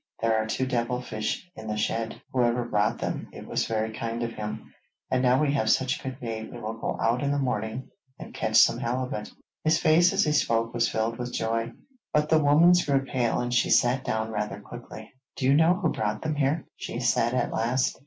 There are two devil fish in the shed; Whoever brought them, it was very kind of him, and now we have such good bait we will go out in the morning and catch some halibut.' His face as he spoke was filled with joy, but the woman's grew pale and she sat down rather quickly. 'Do you know who brought them here?' she said at last?